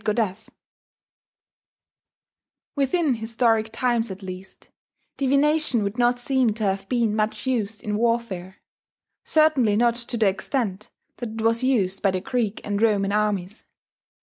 ] Within historic times at least, divination would not seem to have been much used in warfare, certainly not to the extent that it was used by the Greek and Roman armies.